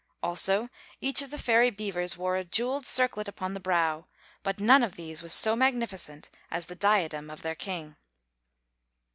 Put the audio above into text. Also each of the Fairy Beavers wore a jeweled circlet upon the brow; but none of these was so magnificent as the diadem of their King.